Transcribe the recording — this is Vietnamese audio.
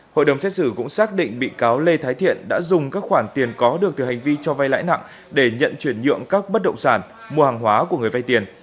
hội đồng xét xử cũng xác định bị cáo lê thái thiện đã dùng các khoản tiền có được từ hành vi cho vay lãi nặng để nhận chuyển nhượng các bất động sản mua hàng hóa của người vay tiền